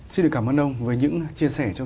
xin được cảm ơn ông với những chia sẻ trong